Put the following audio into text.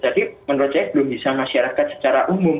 jadi menurut saya belum bisa masyarakat secara umum